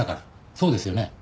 そうですよね？